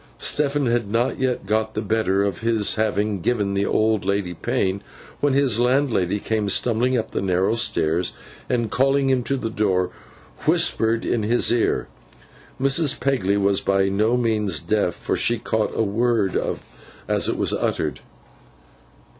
Stephen had not yet got the better of his having given the old lady pain, when his landlady came stumbling up the narrow stairs, and calling him to the door, whispered in his ear. Mrs. Pegler was by no means deaf, for she caught a word as it was uttered.